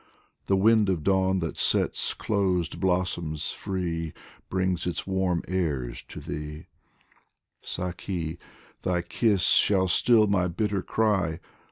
The wind of dawn that sets closed blossoms free Brings its warm airs to thee. POEMS FROM THE Saki, thy kiss shall still my bitter cry